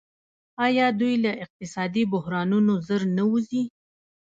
آیا دوی له اقتصادي بحرانونو ژر نه وځي؟